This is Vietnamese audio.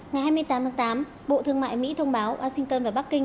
ngày hai mươi tám tháng tám bộ thương mại mỹ thông báo washington và bắc kinh